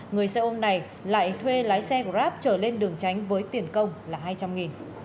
người xe ôm này lại thuê lái xe grab trở lên đường tránh với tiền công là hai trăm linh